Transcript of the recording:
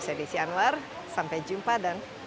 saya desi anwar sampai jumpa dan